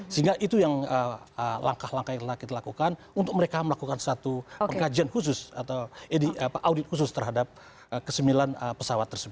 sehingga itu yang langkah langkah yang telah kita lakukan untuk mereka melakukan satu pengkajian khusus atau audit khusus terhadap kesembilan pesawat tersebut